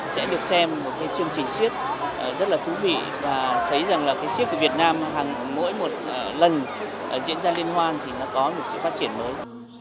sẽ được xem một cái chương trình siết rất là thú vị và thấy rằng là cái siếc của việt nam mỗi một lần diễn ra liên hoan thì nó có một sự phát triển mới